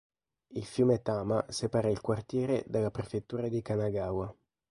Il fiume Tama separa il quartiere dalla prefettura di Kanagawa.